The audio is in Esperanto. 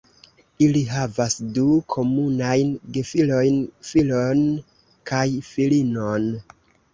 Ili havas du komunajn gefilojn, filon kaj filinon.